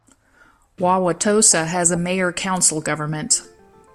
Wauwatosa has a mayor-council government.